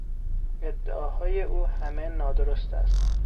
ادعاهای او همه نادرست است.